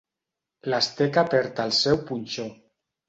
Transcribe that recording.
L'asteca perd el seu punxó.